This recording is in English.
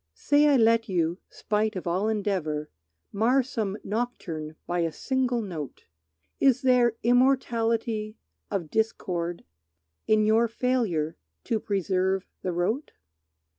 Say I let you, spite of all endeavor, Mar some nocturne by a single note; Is there immortality of discord In your failure to preserve the rote?